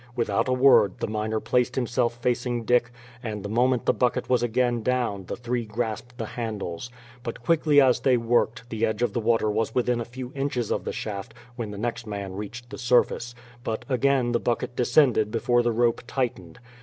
Without a word the miner placed himself facing Dick, and the moment the bucket was again down, the three grasped the handles. But quickly as they worked, the edge of the water was within a few inches of the shaft when the next man reached the surface; but again the bucket descended before the rope tightened.